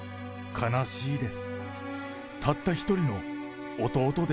悲しいです。